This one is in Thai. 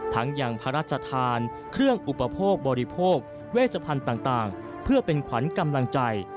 ยังพระราชทานเครื่องอุปโภคบริโภคเวชพันธุ์ต่างเพื่อเป็นขวัญกำลังใจ